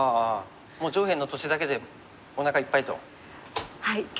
もう上辺の土地だけでおなかいっぱいと。